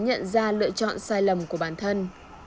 nhận ra lựa chọn sai lầm của bản thân